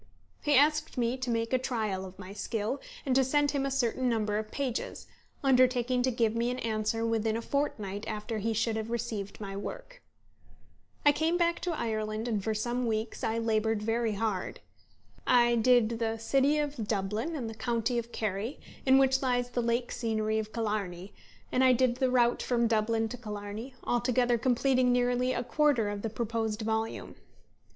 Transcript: He asked me to make a trial of my skill, and to send him a certain number of pages, undertaking to give me an answer within a fortnight after he should have received my work. I came back to Ireland, and for some weeks I laboured very hard. I "did" the city of Dublin, and the county of Kerry, in which lies the lake scenery of Killarney; and I "did" the route from Dublin to Killarney, altogether completing nearly a quarter of the proposed volume.